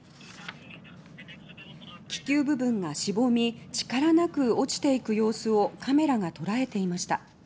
気球部分がしぼみ力なく落ちていく様子をカメラがとらえていました。